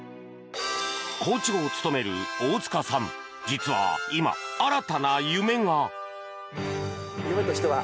校長を務める大塚さん実は今、新たな夢が。